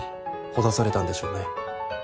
ほだされたんでしょうね。